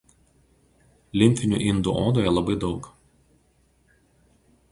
Limfinių indų odoje labai daug.